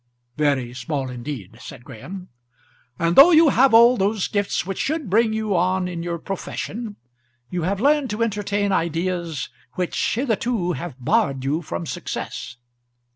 "Very small indeed," said Graham. "And though you have all those gifts which should bring you on in your profession, you have learned to entertain ideas, which hitherto have barred you from success.